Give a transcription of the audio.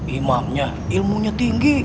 imamnya ilmunya tinggi